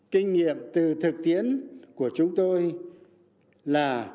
kinh nghiệm từ thực tiễn của chúng tôi là